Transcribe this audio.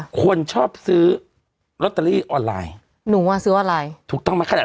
ค่ะคนชอบซื้อรอตาลิออนไลน์หนูว่าซื้อออนไลน์ถูกต้องมาขนาด